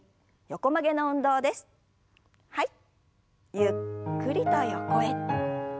ゆっくりと横へ。